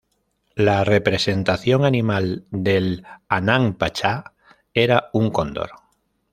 La representación animal del Hanan Pacha era un cóndor.